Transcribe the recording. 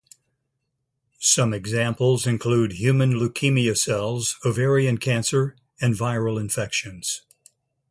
Some examples include human leukemia cells, ovarian cancer and viral infections.